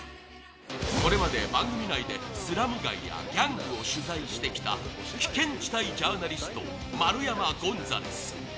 これまで番組内でスラム街やギャングを取材してきた危険地帯ジャーナリスト丸山ゴンザレス。